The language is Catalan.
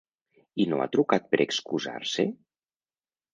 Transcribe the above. I no ha trucat per excusar-se?